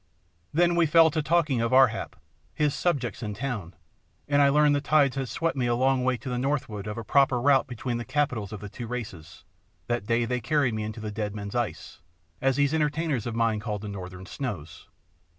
Then we fell to talking of Ar hap, his subjects and town, and I learned the tides had swept me a long way to the northward of the proper route between the capitals of the two races, that day they carried me into the Dead Men's Ice, as these entertainers of mine called the northern snows.